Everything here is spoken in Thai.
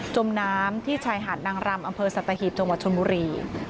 มน้ำที่ชายหาดนางรำอำเภอสัตหีบจังหวัดชนบุรี